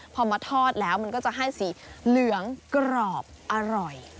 พอมาทอดแล้วมันก็จะให้สีเหลืองกรอบอร่อย